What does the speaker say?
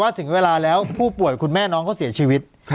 ถึงเวลาแล้วผู้ป่วยคุณแม่น้องเขาเสียชีวิต